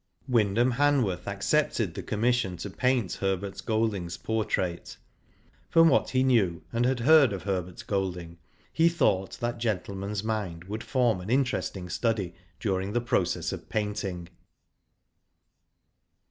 Wyndham Han worth accepted the commission to paint Herbert Golding*s portrait. From what he knew and had heard of Herbert Golding, he thought that gentleman's mind would form an interesting study during the process of painting.